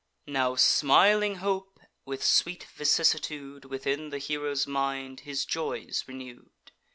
Now smiling hope, with sweet vicissitude, Within the hero's mind his joys renew'd.